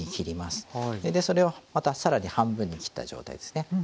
それでそれをまた更に半分に切った状態ですね。